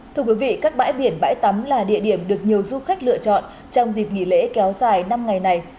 thưa quý vị các bãi biển bãi tắm là địa điểm được nhiều du khách lựa chọn trong dịp nghỉ lễ kéo dài năm ngày này